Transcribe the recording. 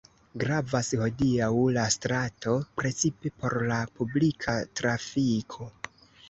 Gravas hodiaŭ la strato precipe por la publika trafiko.